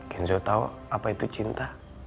kenzo tahu apa itu cinta